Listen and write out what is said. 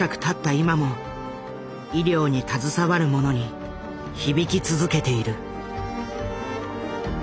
今も医療に携わる者に響き続けている。